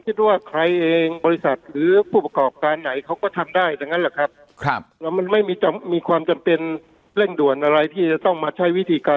การบริหารพรสมุโ